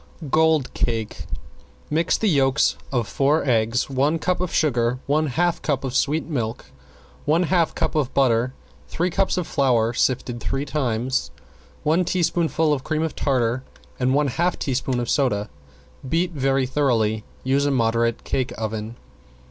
~GOLD CAKE~ Mix the yolks of four eggs, one cup of sugar, one half cup of sweet milk, one half cup of butter, three cups of flour sifted three times, one teaspoonful of cream of tartar and one half teaspoon of soda. Beat very thoroughly. Use a moderate cake oven.